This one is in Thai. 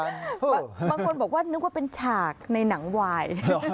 บางคนบอกว่านึกว่าเป็นฉากในหนังวาย